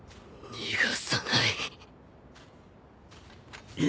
逃がさないぞ。